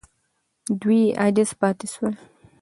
دوی عاجز پاتې سول.